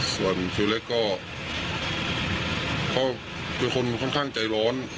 ส่วนครูเล็กก็เขาเป็นคนค่อนข้างใจร้อน